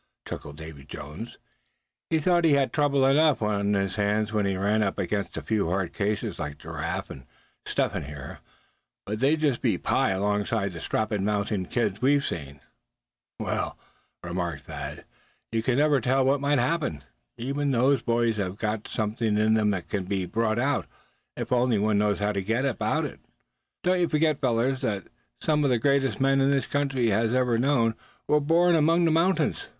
chuckled Davy Jones. "He thought he had trouble enough on his hands when he ran up against a few hard cases, like Giraffe and Step Hen here; but they'd be just pie alongside the strappin' mountain kids we've seen." "Well," remarked Thad, "you never can tell what might happen. Even those boys have got something in them that can be brought out, if only one knows how to go about it. Don't you forget, fellows, that some of the greatest men this country has ever known, were born among the mountains.